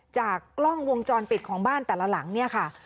จากกล้องวงจรปิดของบ้านแต่ละหลังเนี่ยค่ะ